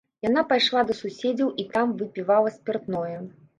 Яна пайшла да суседзяў і там выпівала спіртное.